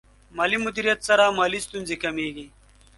مالي مدیریت سره مالي ستونزې کمېږي.